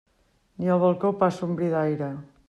Ni al balcó passa un bri d'aire.